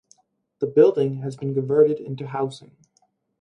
The building has been converted into housing.